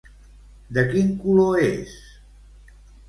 De quin color és?